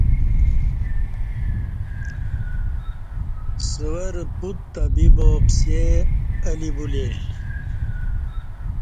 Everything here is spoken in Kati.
سوہ رہ پت تہ بیبا پسے اہ لی بولے